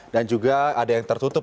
dan juga ada yang tertutup